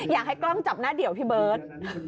อยากให้กล้องจับหน้าเดี่ยวพี่เบิร์ต